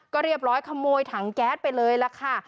ก็เรียบร้อยขโมยถังแก๊สไปเลยล่ะค่ะ